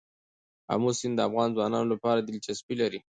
آمو سیند د افغان ځوانانو لپاره دلچسپي لري.